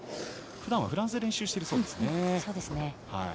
ふだんはフランスで練習しているそうですね。